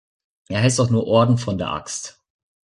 Er heißt auch nur "Orden von der Axt".